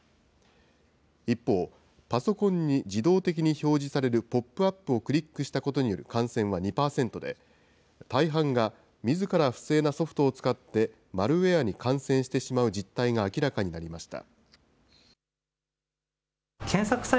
一方、パソコンに自動的に表示されるポップアップをクリックしたことによる感染が２％で、大半が、みずから不正なソフトを使ってマルウエアに感染してしまう実態が明らかになりました。